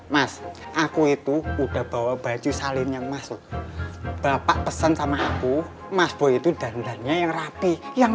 mas aku itu udah bawa baju salin yang masuk bapak pesan sama aku mas boy itu daruratnya yang rapi yang